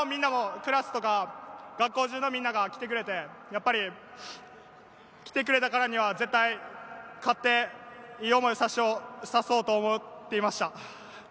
クラスとか学校中のみんなが来てくれて、やっぱり来てくれたからには絶対勝って、いい思いをさせようと思っていました。